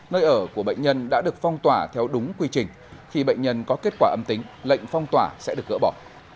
nơi ở của bệnh nhân đã được phong tỏa theo đúng quy trình khi bệnh nhân có kết quả âm tính lệnh phong tỏa sẽ được gỡ bỏ